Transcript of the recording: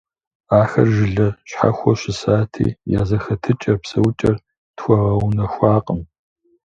Ахэр жылэ щхьэхуэу щысати, я зэхэтыкӀэр, псэукӀэр тхуэгъэунэхуакъым.